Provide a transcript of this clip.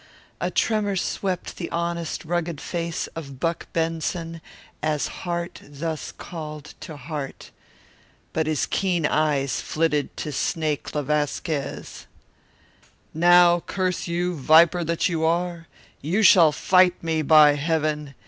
A tremor swept the honest rugged face of Buck Benson as heart thus called to heart. But his keen eyes flitted to Snake le Vasquez. "Now, curse you, viper that you are, you shall fight me, by heaven!